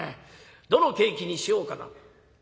どのケーキにしようかな悩んでた。